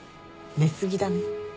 寝過ぎだね。